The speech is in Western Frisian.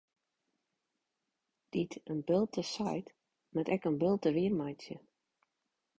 Dy't in bulte seit, moat ek in bulte wiermeitsje.